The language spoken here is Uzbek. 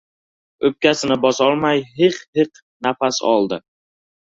O‘pkasini bosolmay hiq-hiq nafas oldi.